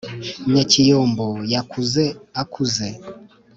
Nyakiyumbu yakuze akuze,